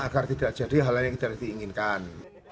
agar tidak jadi hal lain yang kita inginkan